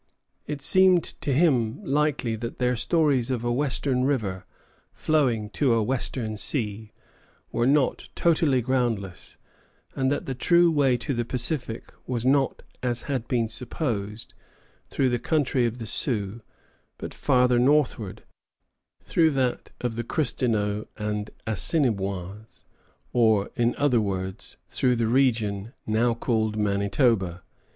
] It seemed to him likely that their stories of a western river flowing to a western sea were not totally groundless, and that the true way to the Pacific was not, as had been supposed, through the country of the Sioux, but farther northward, through that of the Cristineaux and Assinniboins, or, in other words, through the region now called Manitoba.